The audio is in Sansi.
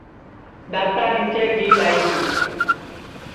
دؔاتا نیچے جیٻ آئی گی